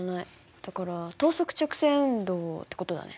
だから等速直線運動って事だね。